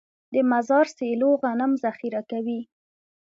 د مزار سیلو غنم ذخیره کوي.